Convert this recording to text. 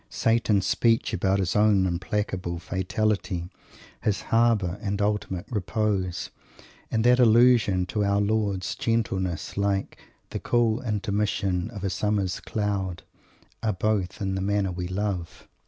Satan's speech about his own implacable fatality, "his harbour, and his ultimate repose," and that allusion to Our Lord's gentleness, like "the cool intermission of a summer's cloud" are both in the manner we love.